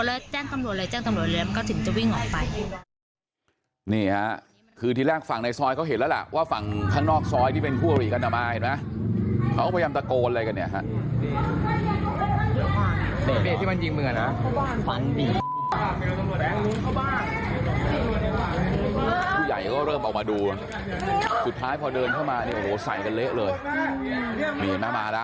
ครูนี้ฮะคือที่แรกฝั่งในซ้อยเขาเห็นแล้วล่ะว่าฝั่งข้างนอกซ้อยที่เป็นคู่กว่าเรียกนมาเห็นไหมเค้าก็พยายามตะโกนไงกันนี่